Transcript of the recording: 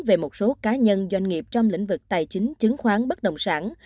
về một số cá nhân doanh nghiệp trong lĩnh vực tài chính chứng khoán bất đồng sản